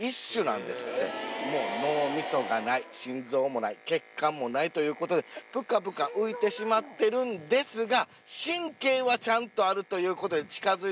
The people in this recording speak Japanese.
脳みそがない心臓もない血管もないということでプカプカ浮いてしまってるんですが。